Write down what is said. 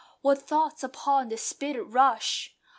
What thoughts upon the spirit rush!